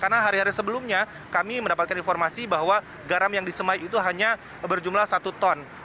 karena hari hari sebelumnya kami mendapatkan informasi bahwa garam yang disemai itu hanya berjumlah satu ton